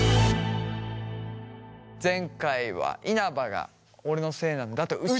前回は稲葉が俺のせいなんだと打ち明けて。